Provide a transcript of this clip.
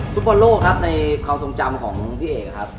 ฟุตบอลโลกครับในความทรงจำของพี่เอกครับ